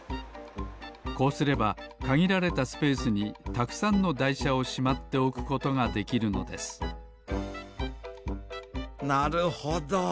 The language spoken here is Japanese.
こうすればかぎられたスペースにたくさんのだいしゃをしまっておくことができるのですなるほど。